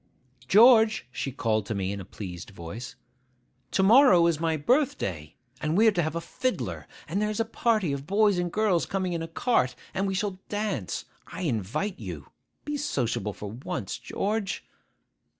'George,' she called to me in a pleased voice, 'to morrow is my birthday; and we are to have a fiddler, and there's a party of boys and girls coming in a cart, and we shall dance. I invite you. Be sociable for once, George.